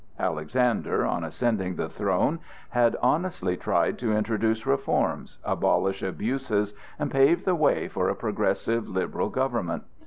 Alexander, on ascending the throne, had honestly tried to introduce reforms, abolish abuses and pave the way for a progressive, liberal government.